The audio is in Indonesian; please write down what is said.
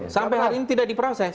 sampai hari ini tidak diproses